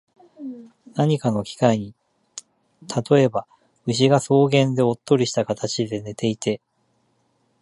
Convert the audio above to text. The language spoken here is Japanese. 何かの機会に、例えば、牛が草原でおっとりした形で寝ていて、